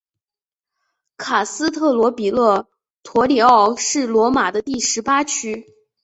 卡斯特罗比勒陀里奥是罗马的第十八区。